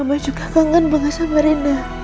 mama juga kangen bangsa marina